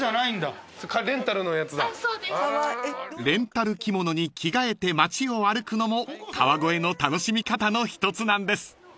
［レンタル着物に着替えて町を歩くのも川越の楽しみ方の一つなんです］